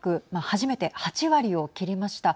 初めて８割を切りました。